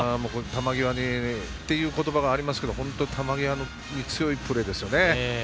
球際にって言葉がありますけど、本当に球際に強いプレーですよね。